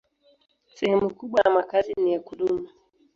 Sehemu kubwa ya makazi ni ya kudumu.